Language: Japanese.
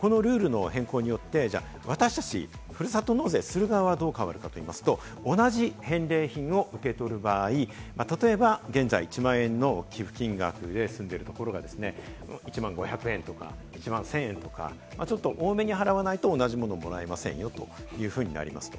東京財団政策研究所の平田英明さんによりますと、このルールの変更によって私達、ふるさと納税する側はどう変わるかといいますと、同じ返礼品を受け取る場合、例えば現在１万円の寄付金額で済んでいるところが、１万５００円とか１万１０００円とか、ちょっと多めに払わないと同じものをもらえませんよというふうになります。